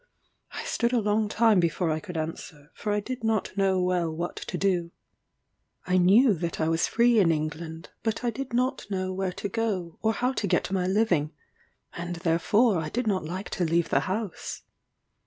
I stood a long time before I could answer, for I did not know well what to do. I knew that I was free in England, but I did not know where to go, or how to get my living; and therefore, I did not like to leave the house.